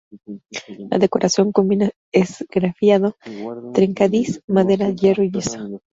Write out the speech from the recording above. La decoración combina esgrafiado, "trencadís", madera, hierro y yeso.